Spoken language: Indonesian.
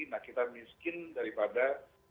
nah kita miskin daripada